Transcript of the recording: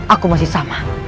aku masih sama